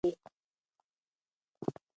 سالم خواړه د بدن د سم فعالیت لپاره اړین دي.